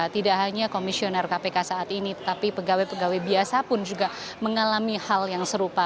tidak hanya komisioner kpk saat ini tetapi pegawai pegawai biasa pun juga mengalami hal yang serupa